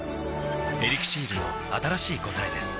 「エリクシール」の新しい答えです